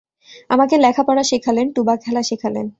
আমাকে লেখা-পড়া শেখালেন, টুবা খেলা শেখালেন।